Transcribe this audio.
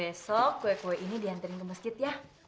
besok kue kue ini dihantarin ke masjid ya